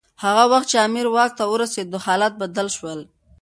هغه وخت چي امیر واک ته ورسېد حالات بدل شول.